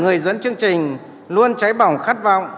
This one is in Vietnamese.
người dẫn chương trình luôn cháy bỏng khát vọng